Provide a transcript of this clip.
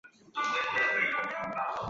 郑军取得泉州战役的胜利。